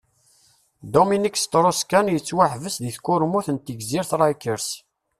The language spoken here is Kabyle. Dominique Strauss-Kahn yettuḥebbes di tkurmut n tegzirt Rikers.